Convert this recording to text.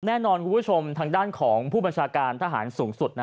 แน่นอนคุณผู้ชมทางด้านของผู้บัญชาการทหารสูงสุด